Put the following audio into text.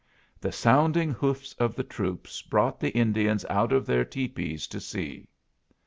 The sounding hoofs of the troops brought the Indians out of their tepees to see.